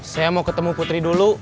saya mau ketemu putri dulu